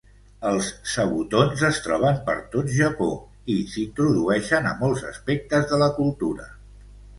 Els zabutons es troben per tot Japó i s"introdueixen a molts aspectes de la cultura.